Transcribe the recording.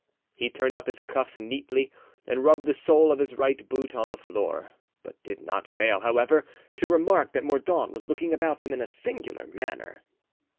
He turned up his cuffs neatly and rubbed the sole of his right boot on the floor, but did not fail, however, to remark that Mordaunt was looking about him in a singular manner.